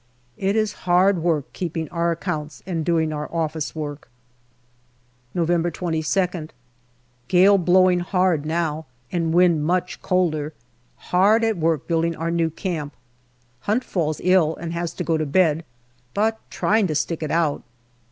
It is hard work keeping our accounts and doing our office work. November 22nd. Gale blowing hard now and wind much colder. Hard at work building our new camp. Hunt falls ill and has to go to bed, but trying to stick it out.